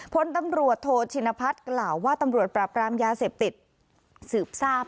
พลตำรวจโทชินพัฒน์กล่าวว่าตำรวจปราบรามยาเสพติดสืบทราบ